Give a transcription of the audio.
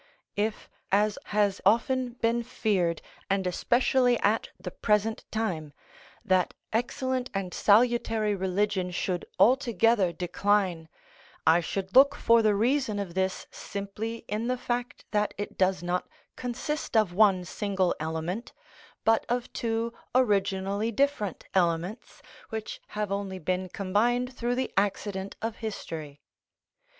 If, as has often been feared, and especially at the present time, that excellent and salutary religion should altogether decline, I should look for the reason of this simply in the fact that it does not consist of one single element, but of two originally different elements, which have only been combined through the accident of history.